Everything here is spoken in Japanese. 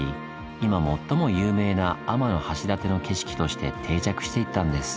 今最も有名な天橋立の景色として定着していったんです。